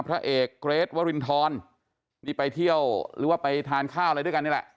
พระเอกเกรทวรินทรนี่ไปเที่ยวหรือว่าไปทานข้าวอะไรด้วยกันนี่แหละ